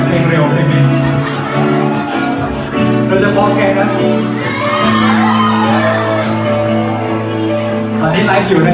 ก็เพราะเธอเหมือนกันกันมากกันไป